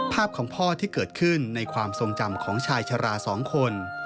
ภาพของพ่อที่เกิดขึ้นในความทรงจำของชายชะลาสองคน